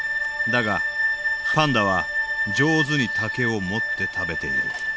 だがパンダは上手に竹を持って食べている。